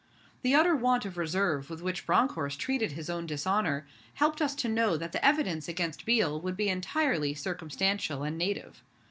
The utter want of reserve with which Bronckhorst treated his own dishonour helped us to know that the evidence against Biel would be entirely circumstantial and native.